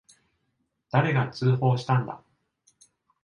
誰が通報したんだ。